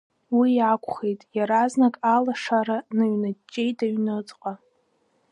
Уи акәхеит, иаразнак алашара ныҩнаҷҷеит аҩныҵҟа.